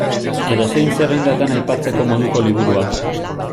Edozein zerrendatan aipatzeko moduko liburua.